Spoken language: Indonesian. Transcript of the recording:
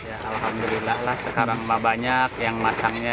alhamdulillah lah sekarang mah banyak yang masangnya